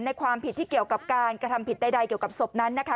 ความผิดที่เกี่ยวกับการกระทำผิดใดเกี่ยวกับศพนั้นนะคะ